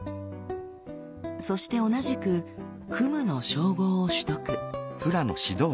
そして同じく「クム」の称号を取得。